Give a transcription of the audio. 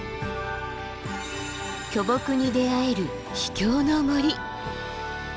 巨木に出会える秘境の森。